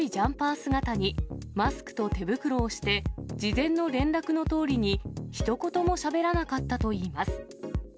姿にマスクと手袋をして、事前の連絡のとおりに、ひと言もしゃべらなかったといいます。